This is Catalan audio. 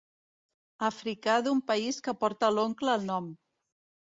Africà d'un país que porta l'oncle al nom.